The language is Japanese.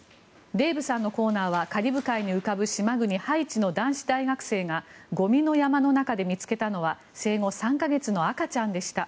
デーブさんのコーナーはカリブ海の浮かぶ島国ハイチで男子大学生がゴミの山の中で見つけたのは生後３か月の赤ちゃんでした。